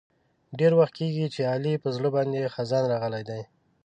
ډېر وخت کېږي چې د علي په زړه باندې خزان راغلی دی.